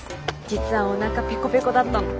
実はおなかペコペコだったの。